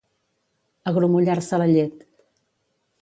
Agrumollar-se la llet.